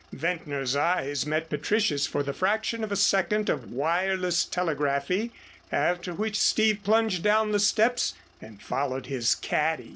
Ventnor's eyes met Patricia's for the fraction of a second of wireless telegraphy, after which Steve plunged down the steps and followed his caddy.